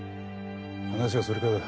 話はそれからだ。